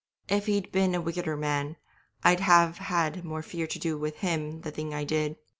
If he'd been a wickeder man I'd have had more fear to do with him the thing I did.